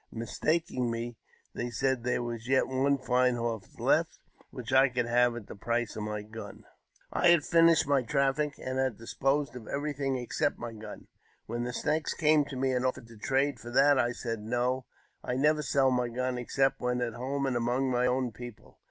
Mistaking me, they isaid there was yet one fine horse left, which I could have at (the price of my gun. j I had finished my traflic, and had disposed of everything I except my gun, when the Snakes came to me and offered to j rade for that. I said, " No; I never sell my gun, except ,'Vhen at home and among my own people."